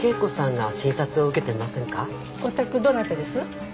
お宅どなたです？